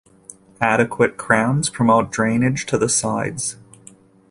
Adequate crowns promote drainage to the sides.